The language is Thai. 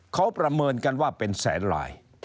เขาประเมินกันว่าเป็นแสนลาย